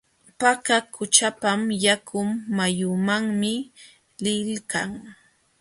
Paka qućhapa yakun mayumanmi liykan.